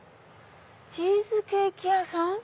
チーズケーキ屋さん？